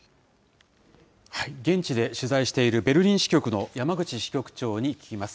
現地で取材しているベルリン支局の山口支局長に聞きます。